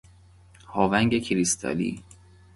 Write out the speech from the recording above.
هاونگ کریستالی